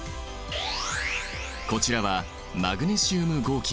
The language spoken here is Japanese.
こちらはマグネシウム合金。